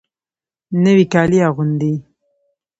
نوي کالي اغوندې